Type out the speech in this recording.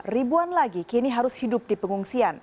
ribuan lagi kini harus hidup di pengungsian